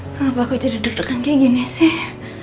berapa aku jadi deketan kayak gini sih